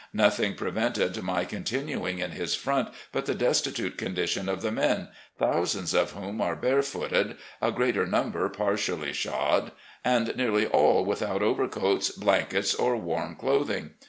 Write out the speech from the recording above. Nothing prevented my continuing in his front but the destitute condition of the men, thousands of whom are barefooted, a greater number partially shod, and nearly all without overcoats, blankets, or warm clothing.